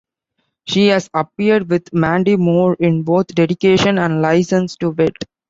She has appeared with Mandy Moore in both "Dedication" and "License to Wed".